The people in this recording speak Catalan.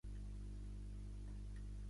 Ser un taboll.